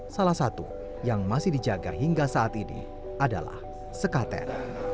salah satu yang masih dijaga hingga saat ini adalah sekaten